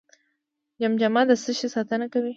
جمجمه د څه شي ساتنه کوي؟